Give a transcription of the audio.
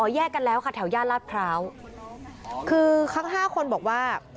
แยกกันแล้วค่ะแถวย่านลาดพร้าวคือทั้งห้าคนบอกว่า